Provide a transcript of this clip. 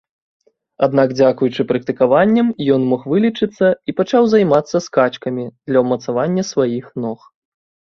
Аднак дзякуючы практыкаванням ён змог вылечыцца і пачаў займацца скачкамі для ўмацавання сваіх ног.